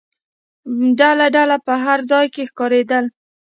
ډله ډله په هر ځای کې ښکارېدل.